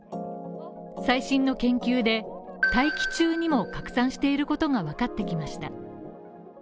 最新の研究で大気中にも拡散していることがわかってきました。